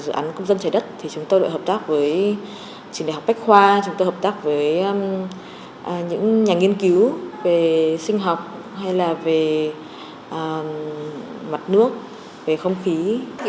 trong dự án công dân trái đất thì chúng tôi đợi hợp tác với trường đại học bách khoa chúng tôi hợp tác với những nhà nghiên cứu về sinh học hay là về mặt nước về không khí